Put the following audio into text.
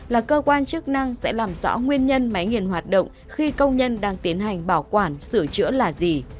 là cơ quan chức năng sẽ làm rõ nguyên nhân máy nghiền hoạt động khi công nhân đang tiến hành bảo quản sửa chữa là gì